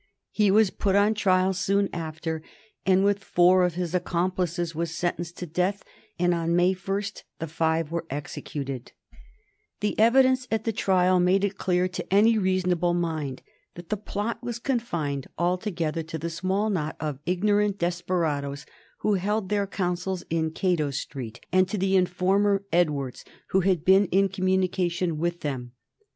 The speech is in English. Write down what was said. He was put on trial soon after, and, with four of his accomplices, was sentenced to death, and on May 1 the five were executed. [Sidenote: 1820 The government and the conspiracy] The evidence at the trial made it clear to any reasonable mind that the plot was confined altogether to the small knot of ignorant desperadoes who held their councils in Cato Street, and to the informer Edwards, who had been in communication with them.